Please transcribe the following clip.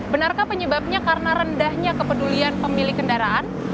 benarkah penyebabnya karena rendahnya kepedulian pemilik kendaraan